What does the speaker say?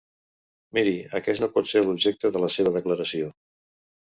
Miri, aquest no pot ser l’objecte de la seva declaració.